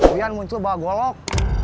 uyan muncul bawa golok